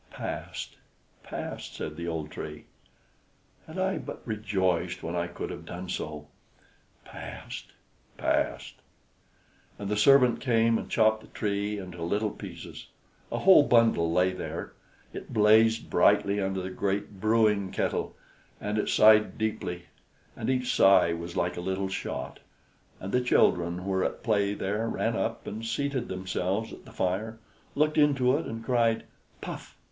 "Past! past!" said the old Tree. "Had I but rejoiced when I could have done so! Past! past!" And the servant came and chopped the Tree into little pieces; a whole bundle lay there; it blazed brightly under the great brewing kettle, and it sighed deeply, and each sigh was like a little shot; and the children who were at play there ran up and seated themselves at the fire, looked into it, and cried "Puff!